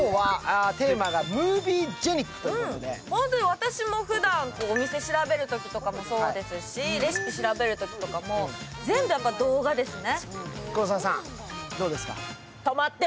私もふだんお店調べるときもそうですし、レシピ調べるときとかも全部動画ですね。